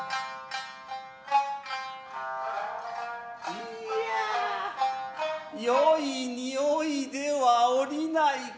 いやぁよい匂いではおりないか。